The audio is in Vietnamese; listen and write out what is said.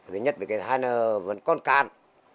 thứ nhất là cái thai nó vẫn còn càn